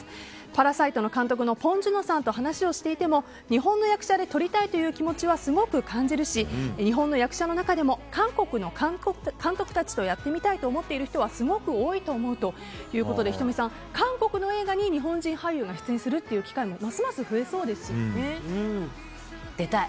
「パラサイト」の監督のポン・ジュノさんと話をしていても日本の役者で撮りたいという気持ちはすごく感じるし日本の役者の中でも韓国の監督たちとやってみたいと思っている人はすごく多いと思うということで仁美さん、韓国の映画に日本人俳優が出演するという機会もますます増えそうですよね。